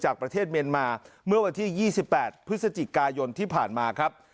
ประเทศเมียนมาเมื่อวันที่๒๘พฤศจิกายนที่ผ่านมาครับ